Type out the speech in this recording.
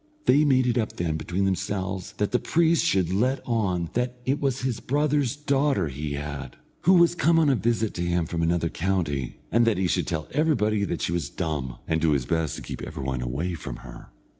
They made it up then between themselves that the priest should let on that it was his brother's daughter he had, who was come on a visit to him from another county, and that he should tell everybody that she was dumb, and do his best to keep every one away from her.